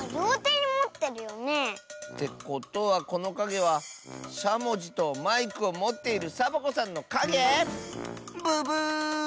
てことはこのかげはしゃもじとマイクをもっているサボ子さんのかげ⁉ブブー！